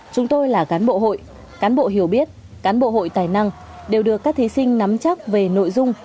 chúng tôi là cán bộ hội cán bộ hiểu biết cán bộ hội tài năng đều được các thí sinh nắm chắc về nội dung